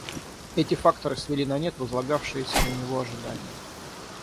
Эти факторы свели на нет возлагавшиеся на него ожидания.